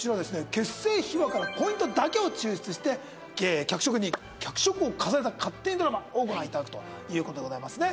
結成秘話からポイントだけを抽出して脚色に脚色を重ねた「勝手にドラマ」をご覧頂くということでございますね。